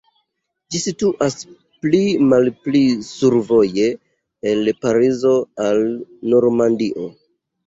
Ĝi situas pli malpli survoje el Parizo al Normandio.